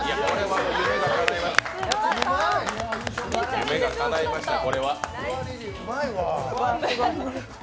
夢がかないました、これは。